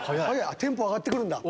テンポ上がって来るんだ。